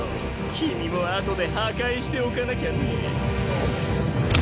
君も後で破壊しておかなきゃね。